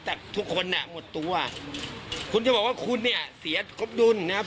แต่ทุกคนเนี่ยหมดตัวคุณจะบอกว่าคุณเนี่ยเสียครบดุลนะครับ